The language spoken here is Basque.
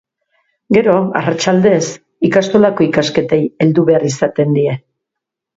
Gero, arratsaldez, ikastolako ikasketei heldu behar izaten die.